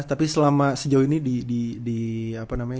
tapi selama sejauh ini di scrimmage